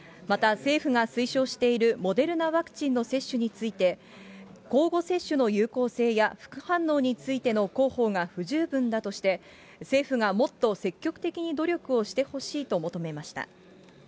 また、政府が推奨しているモデルナワクチンの接種について、交互接種の有効性や副反応についての広報が不十分だとして、政府がもっと積極的に努力をしてほしいと求めました。